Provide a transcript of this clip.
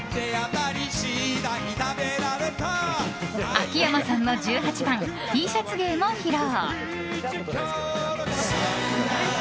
秋山さんの十八番Ｔシャツ芸も披露。